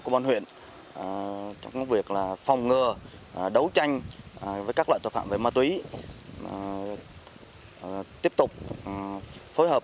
công an huyện trong việc phòng ngừa đấu tranh với các loại tội phạm về ma túy tiếp tục phối hợp